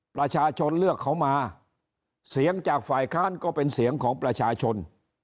ประชาชนเลือกเขามาเสียงจากฝ่ายค้านก็เป็นเสียงของประชาชน